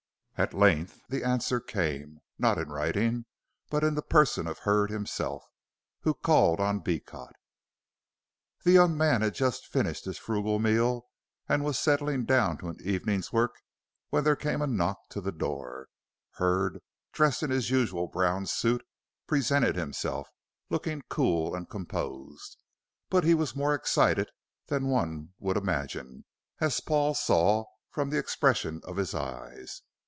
At length the answer came, not in writing, but in the person of Hurd himself, who called on Beecot. The young man had just finished his frugal meal and was settling down to an evening's work when there came a knock to the door. Hurd, dressed in his usual brown suit, presented himself, looking cool and composed. But he was more excited than one would imagine, as Paul saw from the expression of his eyes.